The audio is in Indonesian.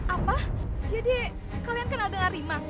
apa jadi kalian kenal dengan rima